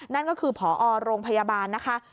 นั่นก็คือผอโรงพยาบาลนะคะ